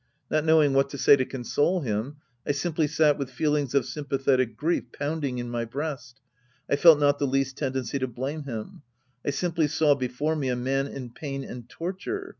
Not knowing what to say to con sole him, I simply sat with feelings of sympathetic grief pounding in my breast. I felt not the least tendency to blame him. I simply saw before me a man in pain and torture.